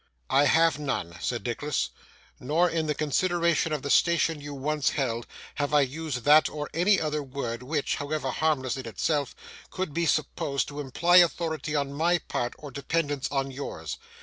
'I have none,' said Nicholas; 'nor, in the consideration of the station you once held, have I used that or any other word which, however harmless in itself, could be supposed to imply authority on my part or dependence on yours.